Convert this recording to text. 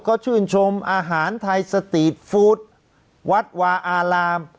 ก็ชื่นชมอาหารไทยสตีทฟู้ดวัดวาอาราม